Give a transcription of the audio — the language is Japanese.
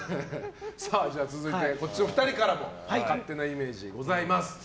続いてこちらの２人からも勝手なイメージがあります。